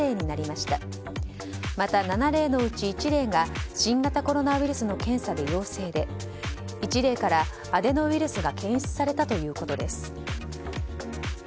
また、７例のうち１例が新型コロナウイルスの検査で陽性で１例からアデノウイルスが検出されたということです。